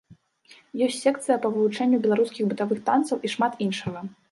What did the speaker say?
Ёсць секцыя па вывучэнню беларускіх бытавых танцаў і шмат іншага.